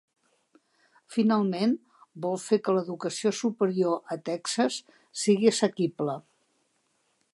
Finalment, vol fer que l'educació superior a Texas sigui assequible.